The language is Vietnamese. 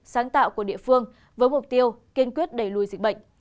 sáng tạo của địa phương với mục tiêu kiên quyết đẩy lùi dịch bệnh